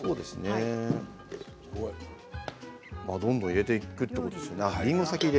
どんどん入れていくということですかね。